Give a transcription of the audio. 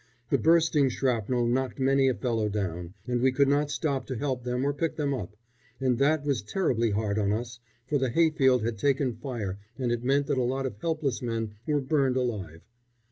The bursting shrapnel knocked many a fellow down, and we could not stop to help them or pick them up and that was terribly hard on us, for the hayfield had taken fire and it meant that a lot of helpless men were burned alive.